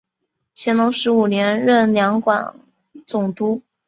乾隆十五年任两广总督。